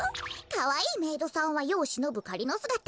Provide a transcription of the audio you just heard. かわいいメイドさんはよをしのぶかりのすがた。